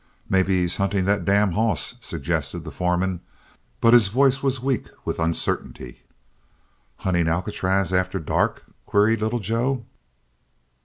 "Maybe he's hunting that damn hoss?" suggested the foreman, but his voice was weak with uncertainty. "Hunting Alcatraz after dark?" queried Little Joe.